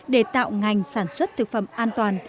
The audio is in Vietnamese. để tạo ngành sản xuất thực phẩm an toàn